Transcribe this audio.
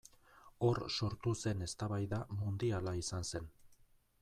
Hor sortu zen eztabaida mundiala izan zen.